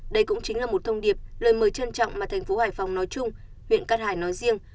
đây cũng chính là một thông điệp lời mời trân trọng mà thành phố hải phòng nói chung huyện cát hải nói riêng